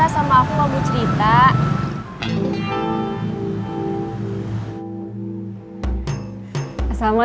ya gue harapan biasanya